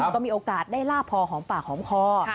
ก็มีโอกาสได้ลาบพอหอมปากหอมคอ